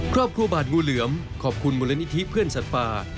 ครอบครัวบาดงูเหลือมขอบคุณมูลนิธิเพื่อนสัตว์ป่า